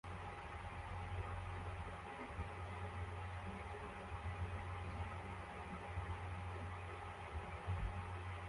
Isinzi ryabantu bagenda hejuru yindege iguruka